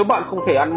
nếu bạn không thể ăn no